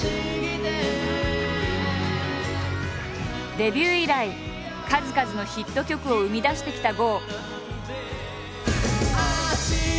デビュー以来数々のヒット曲を生み出してきた郷。